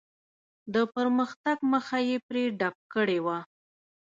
د پرمختګ مخه یې پرې ډپ کړې وه.